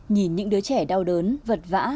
nhìn những đứa trẻ đau đớn vật vã